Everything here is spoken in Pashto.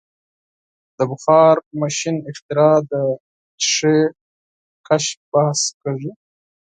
د بخار ماشین اختراع د شیشې کشف بحث کیږي.